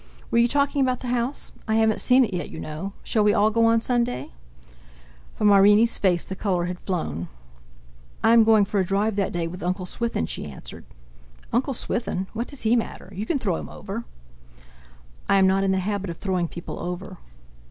"Were you talking about the house? I haven't seen it yet, you know—shall we all go on Sunday?" From Irene's face the colour had flown. "I am going for a drive that day with Uncle Swithin," she answered. "Uncle Swithin! What does he matter? You can throw him over!" "I am not in the habit of throwing people over!"